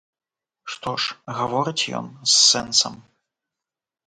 Што ж, гаворыць ён з сэнсам.